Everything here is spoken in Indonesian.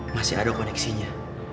masih ada koneksinya